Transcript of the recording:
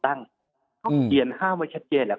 ต้องเขียนห้ามไว้ชัดเจนแล้ว